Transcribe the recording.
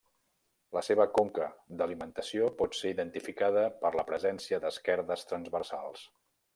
La seva conca d'alimentació pot ser identificada per la presència d'esquerdes transversals.